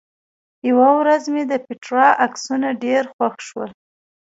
یوه ورځ مې د پېټرا عکسونه ډېر خوښ شول.